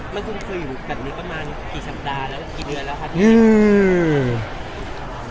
มันคืออยู่แบบนี้ประมาณกี่สัปดาห์แล้วแล้วกี่เดือนแล้วค่ะ